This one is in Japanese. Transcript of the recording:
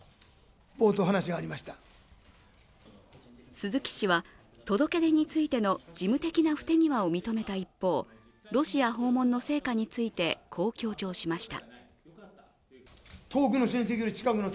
鈴木氏は、届け出についての事務的な不手際を認めた一方、ロシア訪問の成果について、こう強調しました。